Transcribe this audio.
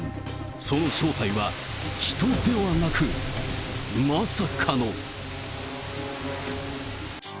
その正体は、人ではなく、まさかの。